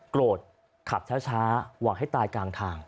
โกรธขับช้าหวังให้ตายกลางทาง